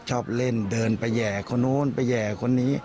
ชอบเล่นเดินไปแห่คนนู้นไปแห่คนนี้